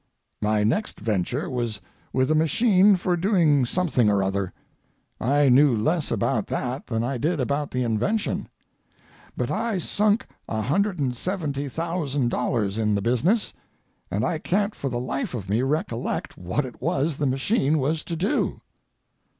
My next venture was with a machine for doing something or other. I knew less about that than I did about the invention. But I sunk $170,000 in the business, and I can't for the life of me recollect what it was the machine was to do.